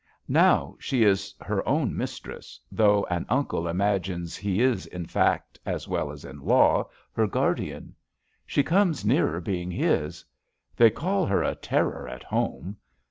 Now, she is her own mistress, though an uncle imagines he is, in fact, as well as in law, her guardian. She comes nearer being his. They call her *a terror' at home.